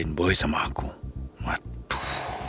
ini aku udah di makam mami aku